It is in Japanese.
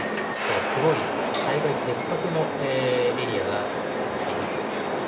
黒い災害切迫のエリアが出てきています。